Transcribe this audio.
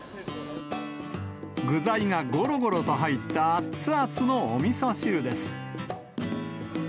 具材がごろごろと入った熱々のおみそ汁です。